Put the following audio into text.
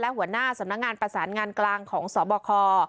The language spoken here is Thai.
หัวหน้าสำนักงานประสานงานกลางของสบค